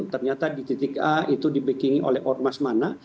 ternyata di titik a itu dibikingi oleh ormas mana